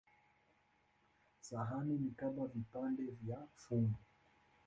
Sahani ni kama vipande vya fumbo.